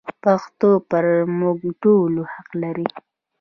پښتو پر موږ ټولو حق لري.